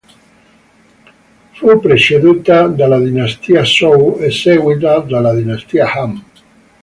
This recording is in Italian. Fu preceduta dalla dinastia Zhou e seguita dalla dinastia Han.